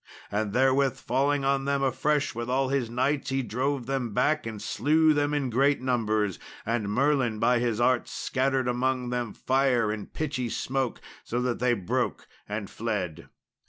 And therewith falling on them afresh with all his knights, he drove them back and slew them in great numbers, and Merlin by his arts scattered among them fire and pitchy smoke, so that they broke and fled.